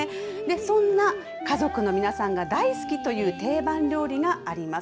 そんな家族の皆さんが大好きという定番料理があります。